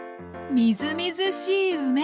みずみずしい梅。